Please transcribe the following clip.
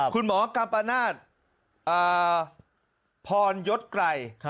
คุณหมอกำปะนาดพรยดไกร